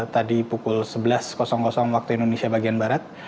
tadi pukul sebelas waktu indonesia bagian barat